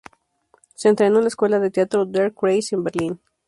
Se entrenó en la escuela de teatro "Der Kreis", en Berlín.